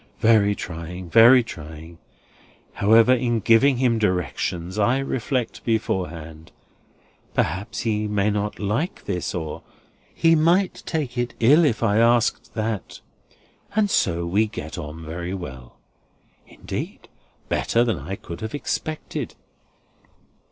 Very trying, very trying. However, in giving him directions, I reflect beforehand: 'Perhaps he may not like this,' or 'He might take it ill if I asked that;' and so we get on very well. Indeed, better than I could have expected."